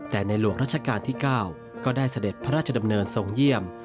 แต่ในหลวงรัชกาลที่๙ก็ได้เสด็จพระราชดำเนินทรงเยี่ยม